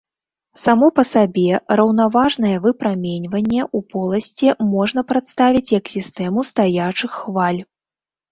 Само па сабе, раўнаважнае выпраменьванне ў поласці можна прадставіць як сістэму стаячых хваль.